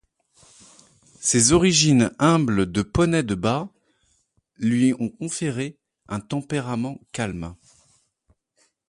Ses origines humbles de poney de bât lui ont conféré un tempérament calme.